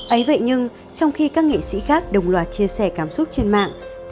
ấy vậy nhưng trong khi các nghệ sĩ khác đồng loạt chia sẻ cảm xúc trên mạng